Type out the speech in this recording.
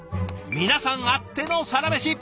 皆さんあっての「サラメシ」。